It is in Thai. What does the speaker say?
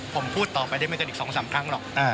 ผมพูดต่อไปได้ไม่เกินอีก๒๓ครั้งหรอก